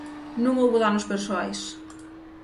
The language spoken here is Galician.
Non houbo danos persoais.